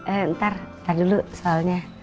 entar dulu soalnya